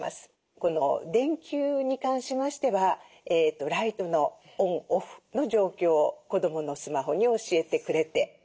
この電球に関しましてはライトのオン・オフの状況を子どものスマホに教えてくれて。